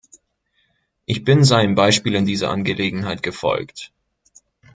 Ich bin seinem Beispiel in dieser Angelegenheit gefolgt.